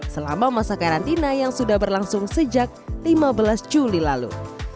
selama masa karantina yang sudah berlangsung sejak lima belas juli lalu